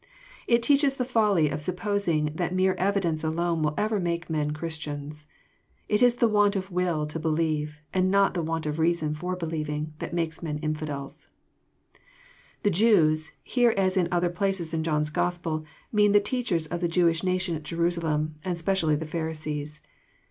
It teaches the folly of supposing that mere evidence alone will ever makd]Eieii.C&ristian8. Itls the want of will to believe, and not the want of reasons for believing, that makes men infidels. The Jews " here, as in other places In John*s Gospel, mean the teachers of the Jewish nation at Jerusalem, and specially the Pharisees.